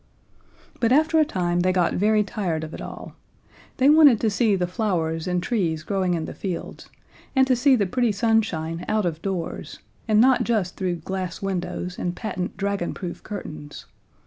But after a time they got very tired of it all: They wanted to see the flowers and trees growing in the fields, and to see the pretty sunshine out of doors, and not just through glass windows and patent dragonproof curtains.